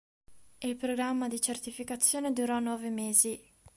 Il programma di certificazione durò nove mesi.